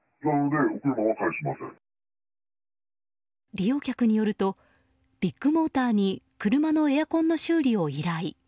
利用客によるとビッグモーターに車のエアコンの修理を依頼。